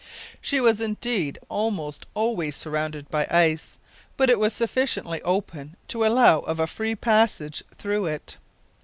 She was indeed almost always surrounded by ice, but it was sufficiently open to allow of a free passage through it.